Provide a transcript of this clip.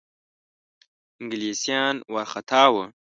انګلیسیان وارخطا وه.